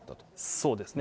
そうですね。